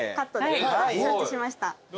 承知しました。